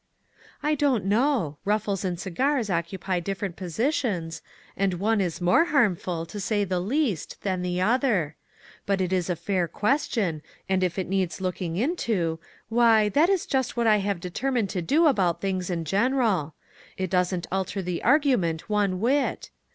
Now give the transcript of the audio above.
"I don't know; ruffles and cigars occupy different positions, and one is more harmful, to say the least, than the other. But it is a fair question, and if it needs looking into, why, that is just what I have determined to do about things in general. It doesn't alter the argument one whit.